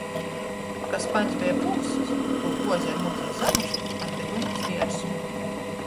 Ka spaņs beja pūsts, tū guoze ar muti iz zamašku, ar dybynu iz viersu.